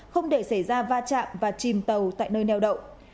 không để xảy ra va chạm và chìm tàu tại nơi neo đậu